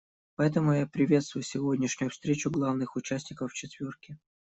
Поэтому я приветствую сегодняшнюю встречу главных участников «четверки».